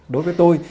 đối với tôi